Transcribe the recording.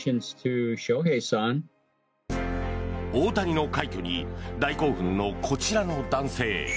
大谷の快挙に大興奮のこちらの男性。